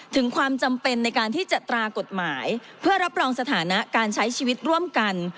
ถึงความจำเป็นในการที่จะตรากฎหมายเพื่อรับรองสถานะการใช้ชีวิตร่วมกัน